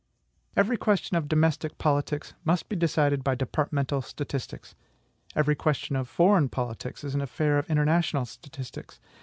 Every question of domestic politics must be decided by departmental statistics; every question of foreign politics is an affair of international statistics.